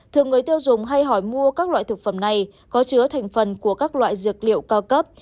thường người tiêu dùng hay hỏi mua các loại thực phẩm này có chứa thành phần của các loại dược liệu cao cấp